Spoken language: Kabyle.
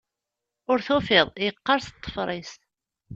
Ur tufiḍ... yeqqers ṭṭfer-is.